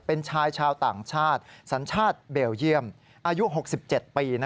เป็นชายชาวต่างชาติสัญชาติเบลเยี่ยมอายุ๖๗ปี